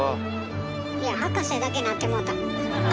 いや葉加瀬だけなってもうた。